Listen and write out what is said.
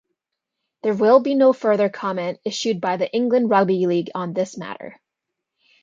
There will be no further comment issued by England Rugby League on this matter.